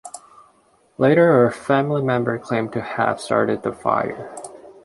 Later, a family member claimed to have started the fire.